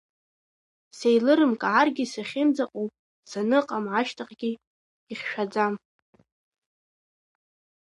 Сеилырымкааргьы сахьынӡаҟоу, саныҟам ашьҭахьгьы ихьшәаӡам.